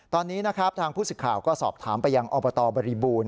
ตอนนี้นะครับทางผู้สิทธิ์ข่าวก็สอบถามไปยังอบตบริบูรณ